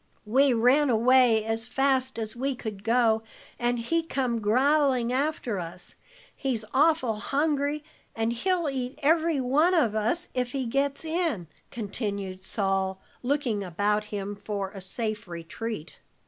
"We ran away as fast as we could go, and he come growling after us. He's awful hungry, and he'll eat every one of us if he gets in," continued Sol, looking about him for a safe retreat.